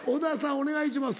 お願いします。